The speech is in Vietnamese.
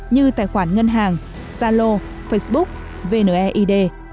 như tài khoản ngân hàng zalo facebook vneid